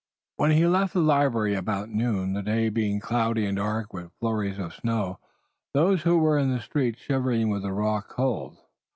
When he left the library it was about noon, the day being cloudy and dark with flurries of snow, those who were in the streets shivering with the raw cold.